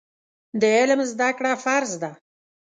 د علم زده کړه فرض ده.